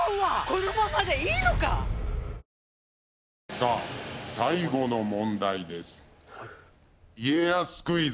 さあ最後の問題です。